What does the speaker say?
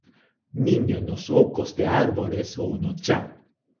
Niño nos ocos de árbores ou no chan.